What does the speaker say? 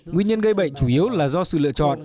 nguyên nhân gây bệnh chủ yếu là do sự lựa chọn